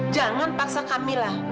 jangan paksa kamila